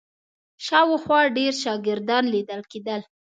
شاوخوا ډېر شاګردان لیدل کېدل.